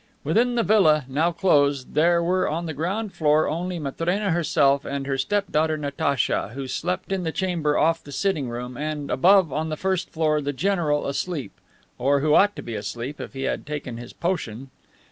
Within the villa, now closed, there were on the ground floor only Matrena herself and her step daughter Natacha, who slept in the chamber off the sitting room, and, above on the first floor, the general asleep, or who ought to be asleep if he had taken his potion.